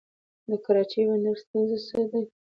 د کراچۍ بندر ستونزې څه دي؟